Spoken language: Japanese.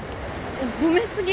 褒め過ぎ。